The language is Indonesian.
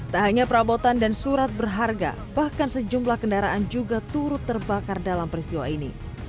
tak hanya perabotan dan surat berharga bahkan sejumlah kendaraan juga turut terbakar dalam peristiwa ini